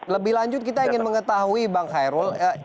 lebih lanjut kita ingin mengetahui bang khairul